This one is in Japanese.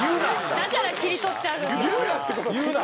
だから切り取ってあるんだ。